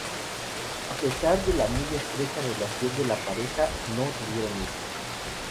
A pesar de la muy estrecha relación de la pareja, no tuvieron hijos.